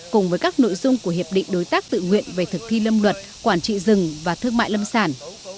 cùng với các nội dung của hiệp định đối tác tự nguyện về thực thi lâm luật quản trị rừng và thương mại lâm sản